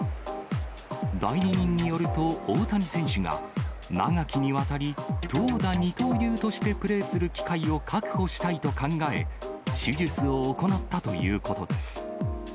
代理人によると、大谷選手が長きにわたり、投打二刀流としてプレーする機会を確保したいと考え、手術を行ったということです。